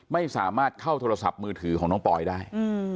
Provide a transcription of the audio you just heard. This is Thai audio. ไม่สามารถเข้าโทรศัพท์มือถือของน้องปอยได้